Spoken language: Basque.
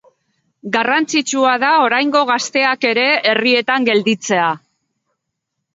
Garrantzitsua da oraingo gazteak ere herrietan gelditzea